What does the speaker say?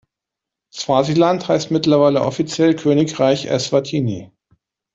Swasiland heißt mittlerweile offiziell Königreich Eswatini.